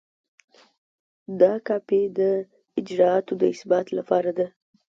دا کاپي د اجرااتو د اثبات لپاره ده.